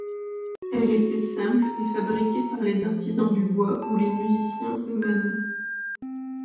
Elle était simple et fabriquée par les artisans du bois ou les musiciens eux-mêmes.